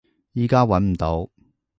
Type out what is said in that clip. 依家揾唔到